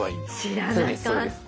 知らなかった。